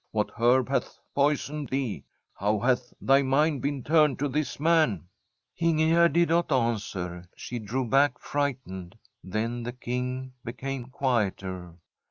* Wliat herb hath poisoned thee ? How hath thy mind been turned to this man ?"" Ingegerd did not answer ; she drew back, faigfatened. Then the King became quieter.